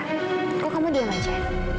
kenapa kamu diam saja